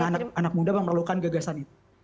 anak anak muda memerlukan gagasan itu